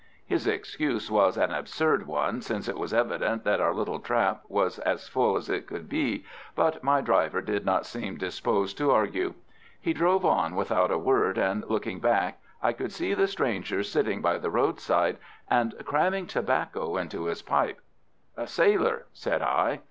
His excuse was an absurd one, since it was evident that our little trap was as full as it could be, but my driver did not seem disposed to argue. He drove on without a word, and, looking back, I could see the stranger sitting by the roadside and cramming tobacco into his pipe. "A sailor," said I.